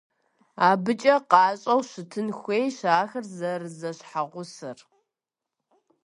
АбыкӀэ къащӀэу щытын хуейщ ахэр зэрызэщхьэгъусэр.